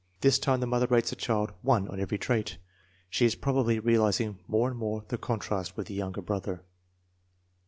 This time the mother rates the child 1 on every trait. She is probably realizing more and more the contrast with the younger brother.